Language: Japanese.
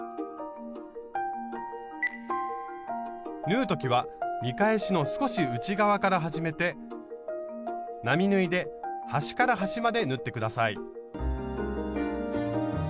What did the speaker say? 縫う時は見返しの少し内側から始めて並縫いで端から端まで縫って下さい。